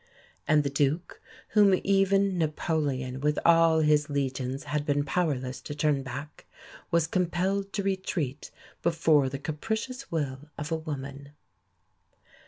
And the Duke, whom even Napoleon with all his legions had been powerless to turn back, was compelled to retreat before the capricious will of a woman.